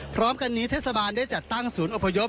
พร้อมกันนี้เทศบาลได้จัดตั้งศูนย์อพยพ